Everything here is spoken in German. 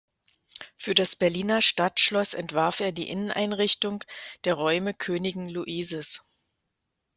Für das Berliner Stadtschloss entwarf er die Inneneinrichtung der Räume Königin Luises.